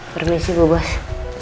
permisi bu bos